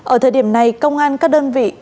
ở thời điểm này công an các đơn vị